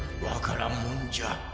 わからんもんじゃ。